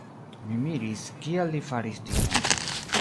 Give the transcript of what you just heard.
Mi miris, kial li faris tion.